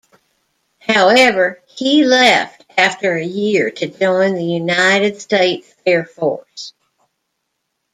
However, he left after a year to join the United States Air Force.